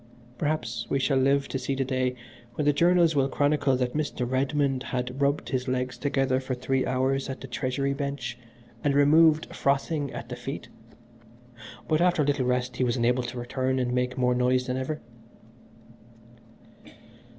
Perhaps we shall live to see the day when the journals will chronicle that Mr. Redmond had rubbed his legs together for three hours at the Treasury Bench and was removed frothing at the feet, but after a little rest he was enabled to return and make more noise than ever."